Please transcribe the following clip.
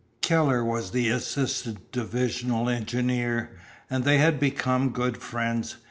Keller was the assistant divisional engineer, and they had become good friends.